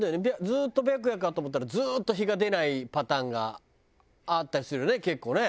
ずっと白夜かと思ったらずっと日が出ないパターンがあったりするよね結構ね。